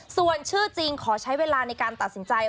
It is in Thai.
ส่วนชื่อจริงขอใช้เวลาในการตัดสินใจ